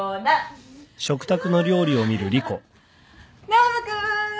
ノブ君！